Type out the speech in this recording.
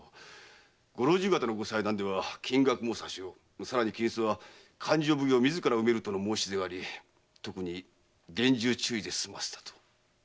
御老中方のご裁断では金額も些少さらに金子は勘定奉行自らが埋めるとの申し出があり特に厳重注意で済ませたと。